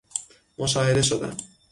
مشاهده شدن